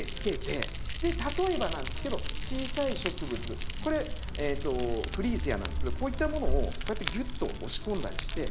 で例えばなんですけど小さい植物これフリーセアなんですけどこういったものをこうやってギュッと押し込んだりして。